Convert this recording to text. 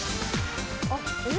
あっえっ？